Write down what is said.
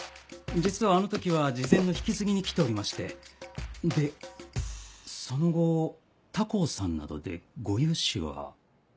実はあの時は事前の引き継ぎに来ておりましてでその後他行さんなどでご融資は。